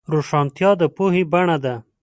روښانتیا د پوهې بڼه ده.